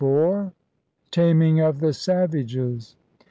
TAMING OF THE SAVAGES.